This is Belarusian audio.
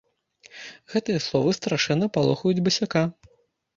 Гэтыя словы страшэнна палохаюць басяка.